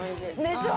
でしょ！